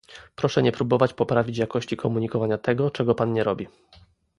Proszę nie próbować poprawić jakości komunikowania tego, czego pan nie robi